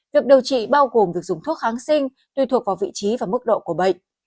việc điều trị bao gồm việc dùng thuốc kháng sinh tùy thuộc vào vị trí và mức độ của bệnh